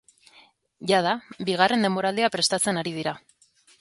Jada, bigarren denboraldia prestatzen ari dira.